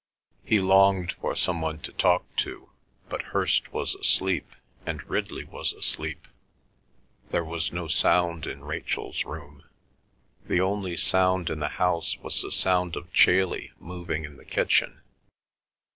He longed for some one to talk to, but Hirst was asleep, and Ridley was asleep; there was no sound in Rachel's room. The only sound in the house was the sound of Chailey moving in the kitchen.